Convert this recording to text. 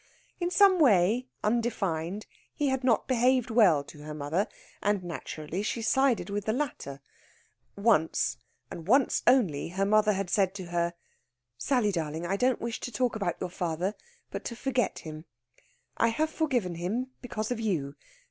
In some way, undefined, he had not behaved well to her mother; and naturally she sided with the latter. Once, and once only, her mother had said to her, "Sally darling, I don't wish to talk about your father, but to forget him. I have forgiven him, because of you.